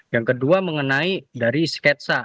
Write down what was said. yang kedua mengenai dari sketsa